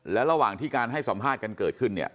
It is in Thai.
และระหว่างที่การให้สัมภาษณ์กันเกิดขึ้นเนี่ย